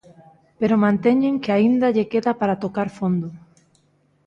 Pero manteñen que aínda lle queda para tocar fondo.